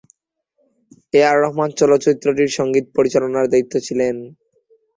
এ আর রহমান চলচ্চিত্রটির সঙ্গীত পরিচালনার দায়িত্ব ছিলেন।